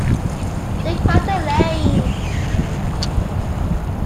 They've got a lane!